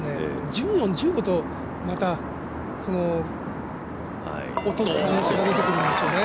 １４、１５とまた落とせないところが出てくるんですよね。